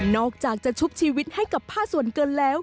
อกจากจะชุบชีวิตให้กับผ้าส่วนเกินแล้ว